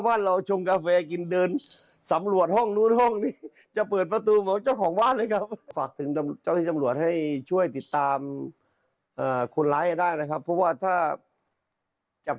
คนร้ายไม่ได้เนี่ยก็จะไปขโมยที่อื่นอีกครับ